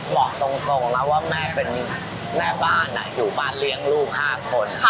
บอกตรงนะว่าแม่บ้านอยี่บ้านเลี้ยงลูกห้าคน